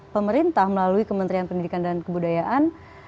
pemerintah melalui kementerian pendidikan dan kebudayaan